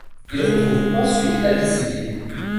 Il retrouve ensuite la vie civile.